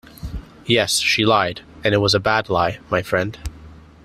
Yes, she lied, and it was a bad lie, my friend.